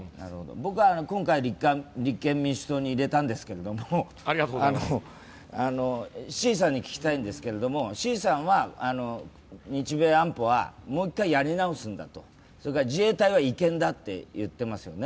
僕は今回、立憲民主党に入れたんですけれども、志位さんに聞きたいんですけれども志位さんは日米安保はもう一回やり直すんだ、それから自衛隊は違憲だと言っていますよね。